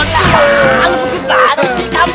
kamu bukit banget sih kamu